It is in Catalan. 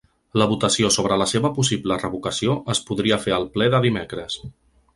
La votació sobre la seva possible revocació es podria fer al ple de dimecres.